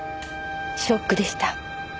ショックでした。